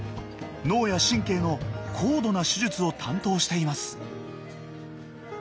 脳や神経の高度な手術を担当しています。